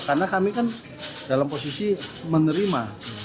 karena kami kan dalam posisi menerima